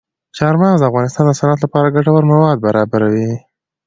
چار مغز د افغانستان د صنعت لپاره ګټور مواد برابروي.